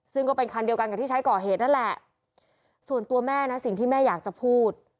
ซึ่งก็เป็นคันเดียวกันกับที่ใช้ก่อเหตุนั่นแหละส่วนตัวแม่นะสิ่งที่แม่อยากจะพูด